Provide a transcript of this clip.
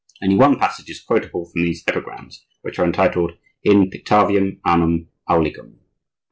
Only one passage is quotable from these epigrams, which are entitled: IN PICTAVIAM, ANAM AULIGAM.